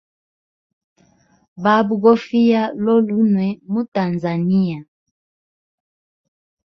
Baba gofiya lolulunwe mu tanzania.